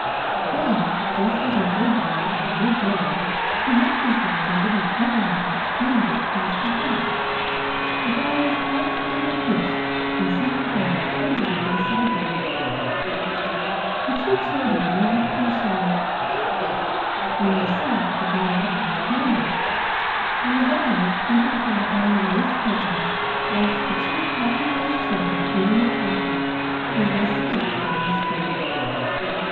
Then, just as a little boy and a little girl, who looked as though they did not ever have much candy, passed the house, the dolls all gave a push and sent the bag tumbling to the sidewalk. The two children laughed and shouted, "Thank you," when they saw that the bag contained candy, and the dolls, peeping from behind the lace curtains, watched the two happy faced children eating the taffy as they skipped down the street.